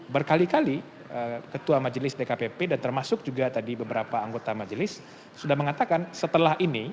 berkali kali ketua majelis dkpp dan termasuk juga tadi beberapa anggota majelis sudah mengatakan setelah ini